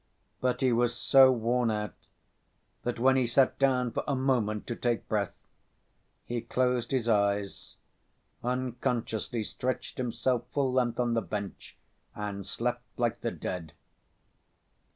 But he was so worn out that when he sat down for a moment to take breath, he closed his eyes, unconsciously stretched himself full length on the bench and slept like the dead.